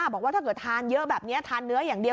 บอกว่าถ้าเกิดทานเยอะแบบนี้ทานเนื้ออย่างเดียว